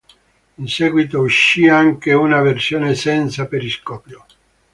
In seguito uscì anche una versione senza periscopio.